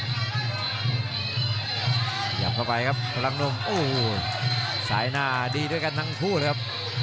ขยับเข้าไปครับพลังหนุ่มโอ้โหสายหน้าดีด้วยกันทั้งคู่เลยครับ